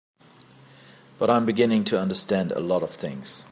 But I'm beginning to understand a lot of things.